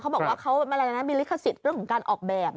เขาบอกว่าเขาอะไรนะมีลิขสิทธิ์เรื่องของการออกแบบ